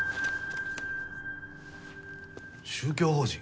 宗教法人？